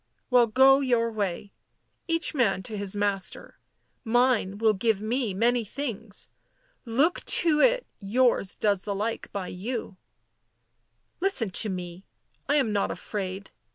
Well, go your way. Each man to his master. Mine will give me many things — look to it yours does the like by you "" Listen to me. I am not afraid.